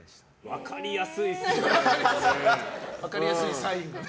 分かりやすいサインがね。